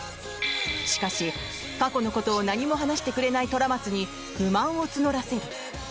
しかし、過去のことを何も話してくれない虎松に不満を募らせる。